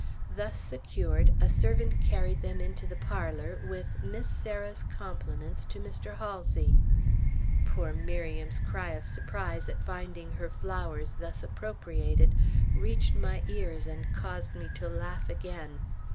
Thus secured, a servant carried them into the parlor with "Miss Sarah's compliments to Mr. Halsey." Poor Miriam's cry of surprise at finding her flowers thus appropriated, reached my ears and caused me to laugh again.